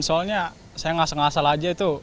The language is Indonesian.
soalnya saya nggak sengasal aja itu